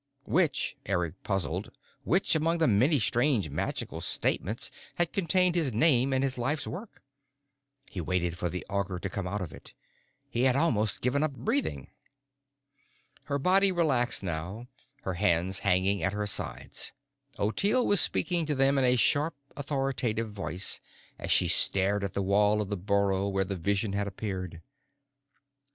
Which, Eric puzzled, which among the many strange magical statements had contained his name and his life's work? He waited for the Augur to come out with it. He had almost given up breathing. Her body relaxed now, her hands hanging at her sides, Ottilie was speaking to them in a sharp, authoritative voice as she stared at the wall of the burrow where the vision had appeared.